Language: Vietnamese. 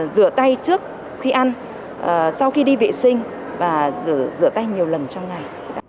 rửa tay trước khi ăn sau khi đi vệ sinh và rửa tay nhiều lần trong ngày